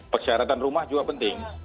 persyaratan rumah juga penting